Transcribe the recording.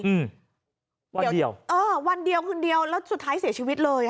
อืมวันเดียวเดียวเออวันเดียวคนเดียวแล้วสุดท้ายเสียชีวิตเลยค่ะ